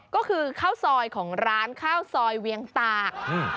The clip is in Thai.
ก็คือข้าวซอยของร้านข้าวซอยเวียงตาก